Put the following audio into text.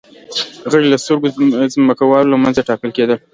غړي یې له سترو ځمکوالو له منځه ټاکل کېدل